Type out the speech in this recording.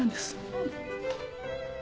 うん。